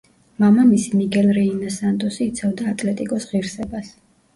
მამამისი მიგელ რეინა სანტოსი იცავდა „ატლეტიკოს“ ღირსებას.